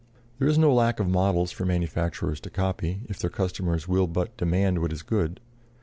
There is no lack of models for manufacturers to copy, if their customers will but demand what is good.